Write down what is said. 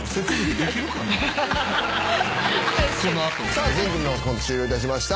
さあ全組のコント終了いたしました。